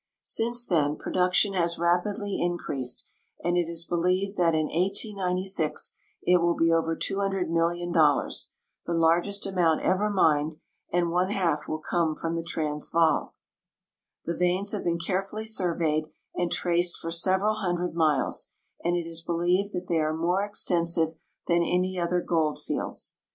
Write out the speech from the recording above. Since then production has rapidly increased, and it is believed that in 1800 it Avill be over §200,0(_K),0()(), the largest amount ever mined, and one half Avill come from the Transvaal. The veins have been carefully surveyed and traced for several hundred miles, and it is believed that they are more extensive than any other gold fields.